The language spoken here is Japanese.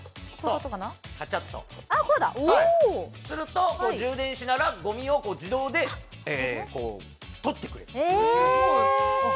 すると充電しながらゴミを自動で取ってくれるあっ